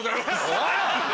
おい！